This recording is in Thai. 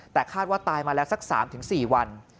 แต่คาดว่าตายมาแล้วสัก๓๔วัน